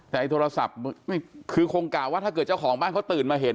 แต่ไอ้โทรศัพท์คือคงกล่าวว่าถ้าเจ้าของบ้านเขาตื่นมาเห็น